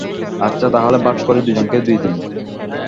আচ্ছা, তাহলে ভাগ করে দুইজনকে দুইদিন।